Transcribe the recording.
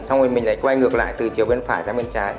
xong rồi mình lại quay ngược lại từ chiều bên phải ra bên trái